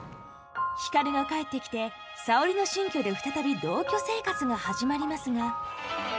光が帰ってきて沙織の新居で再び同居生活が始まりますが。